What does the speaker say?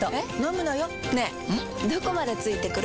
どこまで付いてくる？